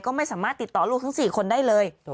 ก็ไม่สามารถติดต่อลูกทั้ง๔คนได้เลย